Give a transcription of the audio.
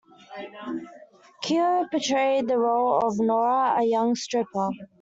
Keough portrayed the role of Nora, a young stripper.